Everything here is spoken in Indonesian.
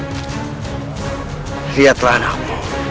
ambo lihatlah anakmu